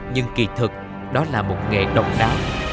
nhưng kỳ thật đó là một nghệ đồng đá